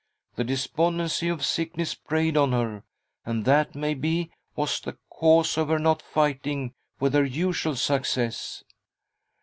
The despondency of sickness preyed on her, and that, maybe, was the cause of her not fighting with her usual success."